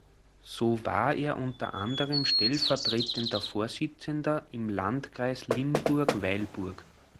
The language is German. So war er unter anderem stellvertretender Vorsitzender im Landkreis Limburg-Weilburg.